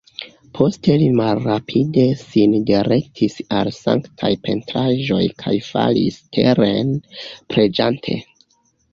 Poste li malrapide sin direktis al sanktaj pentraĵoj kaj falis teren, preĝante.